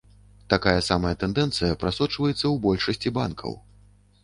Такая сама тэндэнцыя прасочваецца ў большасці банкаў.